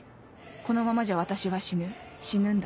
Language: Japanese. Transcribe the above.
このままじゃ私は死ぬ死ぬんだ